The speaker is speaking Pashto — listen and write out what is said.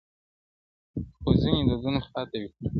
• خو ځينې دودونه پاتې وي تل..